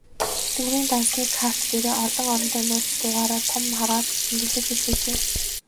Тэтгэврийн дансны карт дээрээ олон оронтой нууц дугаараа том хараар тэмдэглүүлж авчээ.